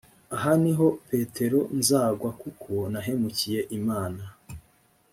aha ni ho petero nzagwa kuko nahemukiye imana